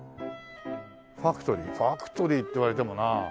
ファクトリーファクトリーって言われてもな。